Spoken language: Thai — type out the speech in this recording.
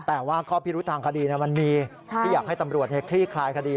แต่ว่าข้อพิรุธทางคดีมันมีที่อยากให้ตำรวจคลี่คลายคดี